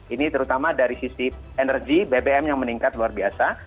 ini terutama dari sisi energi bbm yang meningkat luar biasa